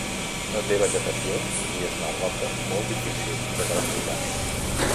No té vegetació i és una roca molt difícil de transitar.